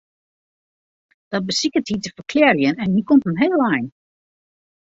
Dat besiket hy te ferklearjen en hy komt in heel ein.